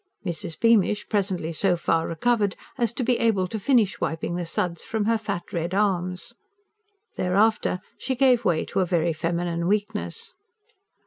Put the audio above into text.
Mrs. Beamish presently so far recovered as to be able to finish wiping the suds from her fat red arms. Thereafter, she gave way to a very feminine weakness.